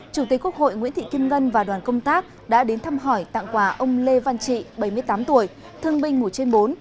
chủ tịch quốc hội nguyễn thị kim ngân và đoàn công tác đã đến thăm hỏi tặng quà ông lê văn trị bảy mươi tám tuổi thương binh mùa trên bốn